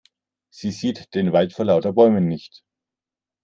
Sie sieht den Wald vor lauter Bäumen nicht.